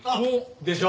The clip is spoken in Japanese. でしょ？